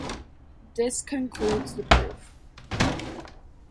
This concludes the proof.